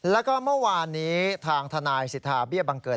แล้วก็เมื่อวานนี้ทางทนายสิทธาเบี้ยบังเกิด